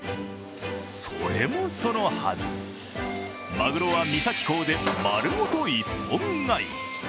それもそのはず、まぐろは三崎港で丸ごと１本買い。